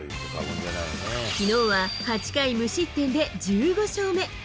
きのうは８回無失点で１５勝目。